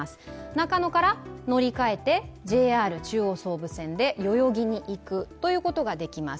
中野から乗り換えてＪＲ中央・総武線で代々木に行くことができます。